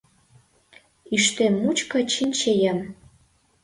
Ӱштем мучко чинчеем.